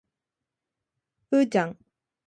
うーちゃん